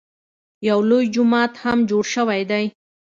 یو لوی جومات هم جوړ شوی دی.